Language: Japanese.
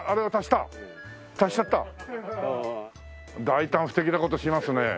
大胆不敵な事しますね。